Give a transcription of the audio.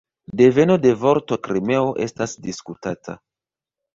Deveno de vorto "Krimeo" estas diskutata.